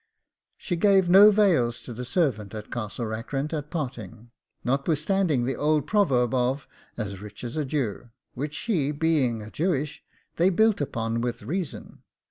She gave no vails to the servants at Castle Rackrent at parting, notwithstanding the old proverb of 'as rich as a Jew,' which she, being a Jewish, they built upon with reason.